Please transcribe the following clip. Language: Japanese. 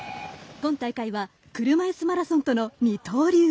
今大会は車いすマラソンとの二刀流。